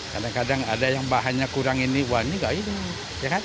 kadang kadang ada yang bahannya kurang ini wani gak ini